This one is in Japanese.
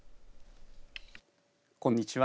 こんにちは。